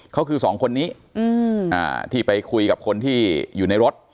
เขาคือสองคนนี้ที่ไปคุยกับคนที่อยู่ในรถ